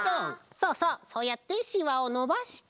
そうそうそうやってしわをのばして。